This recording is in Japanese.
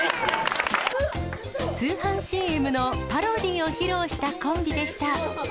通販ＣＭのパロディーを披露したコンビでした。